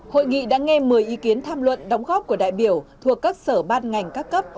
hội nghị đã nghe một mươi ý kiến tham luận đóng góp của đại biểu thuộc các sở ban ngành các cấp